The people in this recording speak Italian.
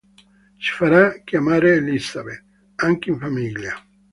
Si farà chiamare "Elizabeth" anche in famiglia.